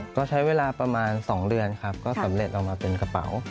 ก็ใช้เวลาประมาณ๒เดือนครับก็สำเร็จออกมาเป็นกระเป๋า